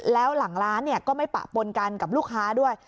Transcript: แล้วหลังร้านก็ไม่ปะปนกันกับลูกค้าด้วย